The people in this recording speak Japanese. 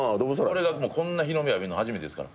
俺がこんな日の目を浴びるの初めてですから。